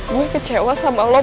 gue kecewa sama lo put